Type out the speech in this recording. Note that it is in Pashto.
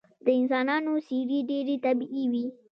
د انسانانو څیرې ډیرې طبیعي وې